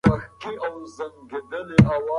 ابن خلدون د ټولنپوهنې مخکښ ګڼل کیږي.